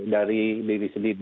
dari diri sendiri